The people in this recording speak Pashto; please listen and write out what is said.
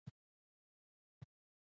پر تاسي باندي واجبه ده.